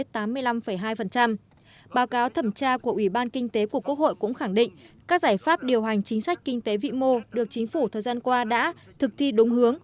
báo cáo thẩm tra của ủy ban kinh tế của quốc hội cũng khẳng định các giải pháp điều hành chính sách kinh tế vĩ mô được chính phủ thời gian qua đã thực thi đúng hướng